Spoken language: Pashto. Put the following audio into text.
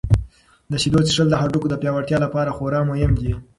د شیدو څښل د هډوکو د پیاوړتیا لپاره خورا مهم دي.